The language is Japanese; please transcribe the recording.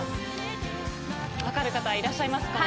分かる方いらっしゃいますかね。